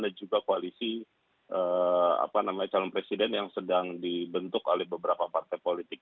dan juga koalisi calon presiden yang sedang dibentuk oleh beberapa partai politik